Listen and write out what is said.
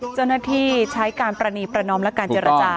เจ้าหน้าที่ใช้การประนีประนอมและการเจรจา